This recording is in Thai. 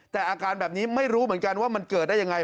แต่อาการแบบนี้ไม่รู้เหมือนกันว่ามันเกิดได้ยังไง